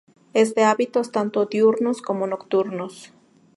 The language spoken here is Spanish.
Es de hábitos tanto diurnos como nocturnos.